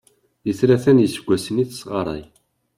Deg tlata n yiseggasen i tesɣaray.